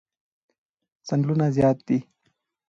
چنگلونه زیاد دی